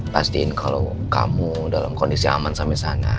pastiin kalo kamu dalam kondisi aman sampe sana